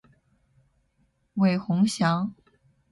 韦宏翔